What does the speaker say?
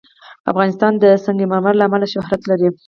افغانستان د سنگ مرمر له امله شهرت لري.